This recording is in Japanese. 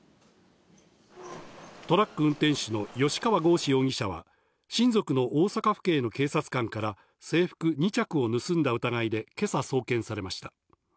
トラック運転手の吉川剛司容疑者は、親族の大阪府警の警察官から制服２着を盗んだ疑いで今朝送検されました。